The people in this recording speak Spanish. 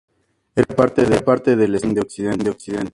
Era parte del estado Qiang de occidente.